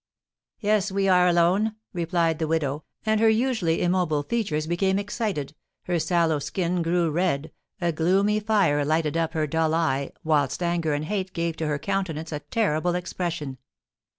"Yes, we are alone," replied the widow, and her usually immobile features became excited, her sallow skin grew red, a gloomy fire lighted up her dull eye, whilst anger and hate gave to her countenance a terrible expression.